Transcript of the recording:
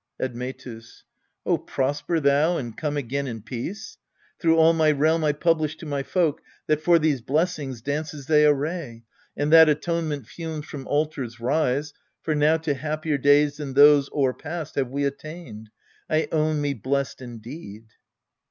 Admetus. Oh, prosper thou, and come again in peace! Through all my realm I publish to my folk That, for these blessings, dances they array, And that atonement fumes from altars rise. For now to happier days than those o'erpast Have we attained. I own me blest indeed.